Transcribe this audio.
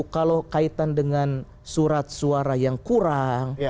kalau kaitan dengan surat suara yang kurang